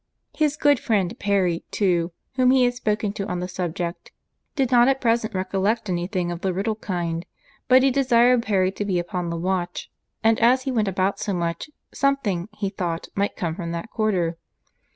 His good friend Perry, too, whom he had spoken to on the subject, did not at present recollect any thing of the riddle kind; but he had desired Perry to be upon the watch, and as he went about so much, something, he thought, might come from that quarter.